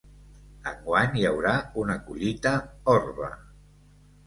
Enguany hi haurà una collita orba.